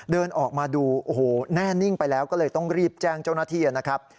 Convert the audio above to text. เดินออกมาดูโอ้โหแน่นิ่งไปแล้วก็เลยต้องรีบแจ้งเจ้าหน้าที่นะครับ